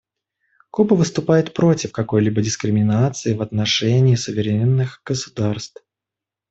Куба выступает против какой-либо дискриминации в отношении суверенных государств.